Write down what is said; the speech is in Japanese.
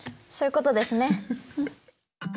そういうことですね。